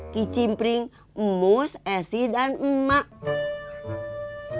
kicimpring mus esih dan saya